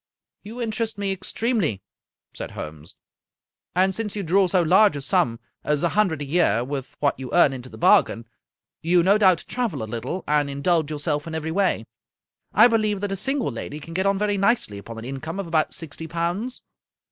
" You interest me extremely," said Holmes. " And since you draw so large a sum as a hundred a year, with what you earn into the bargain, you no doubt travel a little, and in dulge yourself in every way. I believe that a single lady can get on very nicely upon an income of about sixty pounds."